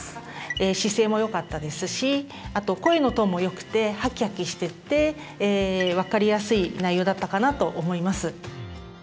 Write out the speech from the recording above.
姿勢もよかったですしあと声のトーンもよくてハキハキしてて分かりやすい内容だったかなと思います。